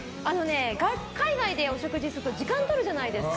海外でお食事すると時間取るじゃないですか。